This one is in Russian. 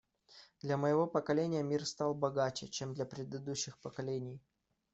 Для моего поколения мир стал богаче, чем для предыдущих поколений.